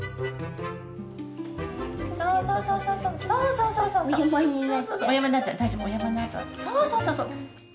そうそうそうそう。